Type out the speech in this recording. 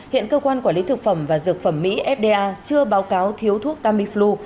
hiện cơ quan quản lý thực phẩm và dược phẩm mỹ fda chưa báo cáo thiếu thuốc tamiflu